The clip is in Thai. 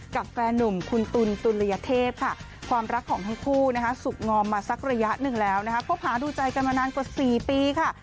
กับแฟนหนุ่มคุณตุลตุลยเทพค่ะความรักของทั้งคู่สุขงอมมาสักระยะหนึ่งแล้วนะคะคบหาดูใจกันมานานกว่า๔ปีค่ะ